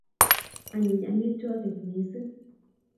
anyiny amitwakik missing